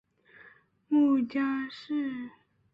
母江氏。